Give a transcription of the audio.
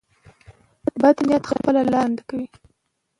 بد نیت خپله لار بنده کوي.